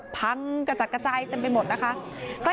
กระจัดกระจายเต็มไปหมดนะคะ